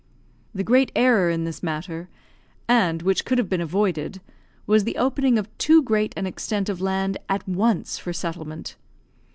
The great error in this matter, and which could have been avoided, was the opening of too great an extent of land at once for settlement.